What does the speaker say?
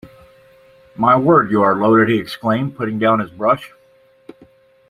“My word, you are loaded!” he exclaimed, putting down his brush.